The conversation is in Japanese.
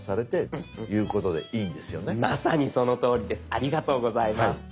ありがとうございます。